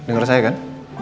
andi dengerin saya kan